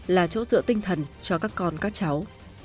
là chỗ dựa tinh thần cho các con các cháu